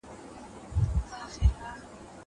هغه څوک چي نان خوري قوي وي.